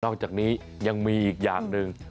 จากนี้ยังมีอีกอย่างหนึ่ง